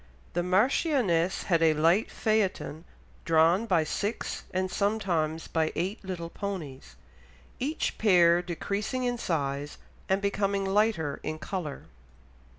The marchioness had a light phaeton drawn by six, and sometimes by eight little ponies, each pair decreasing in size and becoming lighter in colour....